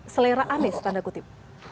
seleraan anies tanda kutip